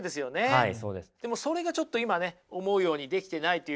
はい。